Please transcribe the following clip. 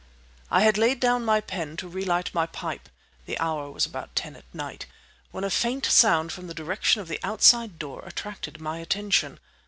I had laid down my pen to relight my pipe (the hour was about ten at night) when a faint sound from the direction of the outside door attracted my attention.